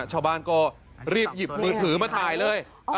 ชาวบ้านก็รีบหยิบมือถือมาถ่ายเลย